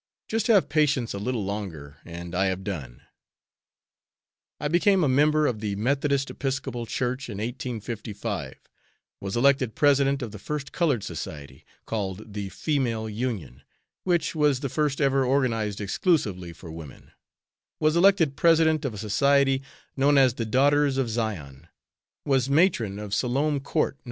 Just have patience a little longer, and I have done. I became a member of the Methodist Episcopal Church in 1855; was elected President of the first colored society, called the "Female Union," which was the first ever organized exclusively for women; was elected President of a society known as the "Daughters of Zion"; was matron of "Siloam Court," No.